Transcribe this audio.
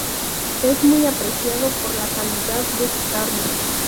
Es muy apreciado por la calidad de su carne